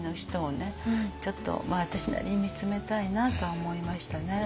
ちょっと私なりに見つめたいなと思いましたね。